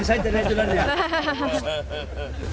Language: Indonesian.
saya tidak jelas lihat